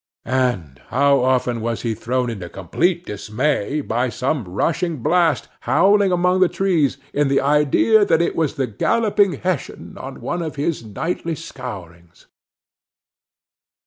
And how often was he thrown into complete dismay by some rushing blast, howling among the trees, in the idea that it was the Galloping Hessian on one of his nightly scourings!